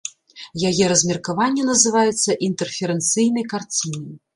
Яе размеркаванне называецца інтэрферэнцыйнай карцінай.